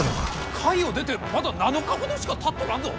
甲斐を出てまだ７日ほどしかたっとらんぞ！？